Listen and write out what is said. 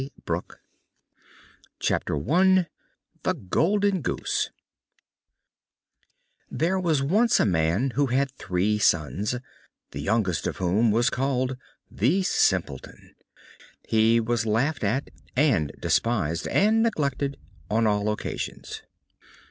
LONDON AND BRECCLES THE GOLDEN GOOSE There was once a man who had three sons, the youngest of whom was called the Simpleton. He was laughed at and despised and neglected on all occasions.